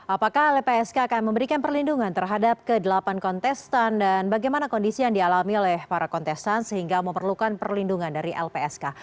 apakah lpsk akan memberikan perlindungan terhadap ke delapan kontestan dan bagaimana kondisi yang dialami oleh para kontestan sehingga memerlukan perlindungan dari lpsk